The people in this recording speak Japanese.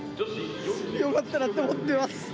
頑張ったなと思っています。